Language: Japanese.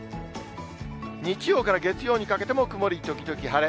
日曜から月曜にかけても曇り時々晴れ。